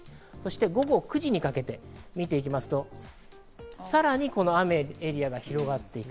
午後９時にかけてみていきますと、さらに、この雨のエリアが広がっていく。